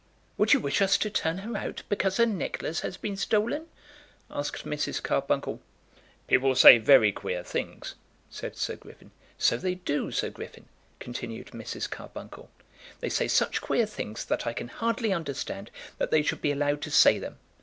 "Would you wish us to turn her out because her necklace has been stolen?" asked Mrs. Carbuncle. "People say very queer things," said Sir Griffin. "So they do, Sir Griffin," continued Mrs. Carbuncle. "They say such queer things that I can hardly understand that they should be allowed to say them.